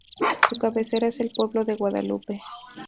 Su cabecera es el pueblo de Guadalupe.